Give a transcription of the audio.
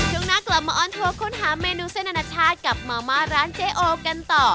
ช่วงหน้ากลับมาออนทัวร์ค้นหาเมนูเส้นอนาชาติกับมาม่าร้านเจ๊โอกันต่อ